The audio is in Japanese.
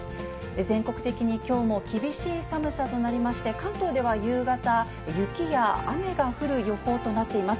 全国的に、きょうも厳しい寒さとなりまして、関東では夕方、雪や雨が降る予報となっています。